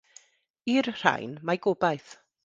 I'r rhain mae gobaith.